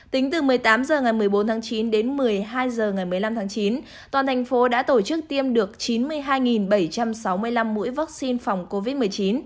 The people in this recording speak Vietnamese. tính từ một mươi tám h ngày một mươi bốn tháng chín đến một mươi hai h ngày một mươi năm tháng chín toàn thành phố đã tổ chức tiêm được chín mươi hai bảy trăm sáu mươi năm mũi vaccine phòng covid một mươi chín